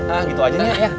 nah gitu aja nya